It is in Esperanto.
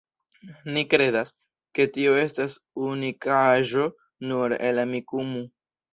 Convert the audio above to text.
Ni kredas, ke tio estas unikaĵo nur al Amikumu.